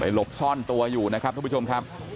หลบซ่อนตัวอยู่นะครับทุกผู้ชมครับ